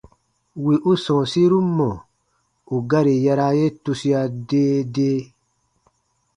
Wì u sɔ̃ɔsiru mɔ̀ ù gari yaraa ye tusia dee dee.